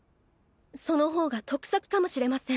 その方が得策かもしれません。